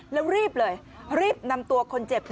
แล้วรีบเลยรีบนำตัวคนเจ็บ